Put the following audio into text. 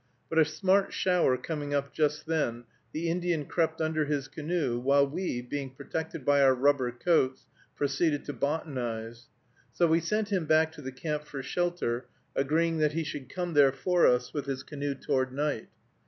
But a smart shower coming up just then, the Indian crept under his canoe, while we, being protected by our rubber coats, proceeded to botanize. So we sent him back to the camp for shelter, agreeing that he should come there for us with his canoe toward night.